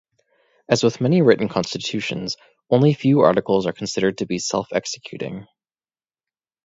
As with many written constitutions, only few articles are considered to be self-executing.